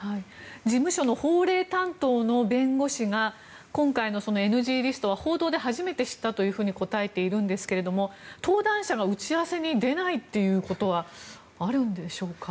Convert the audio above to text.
事務所の法令担当の弁護士が今回のＮＧリストは報道で初めて知ったと答えているんですが登壇者が打ち合わせに出ないということはあるんでしょうか。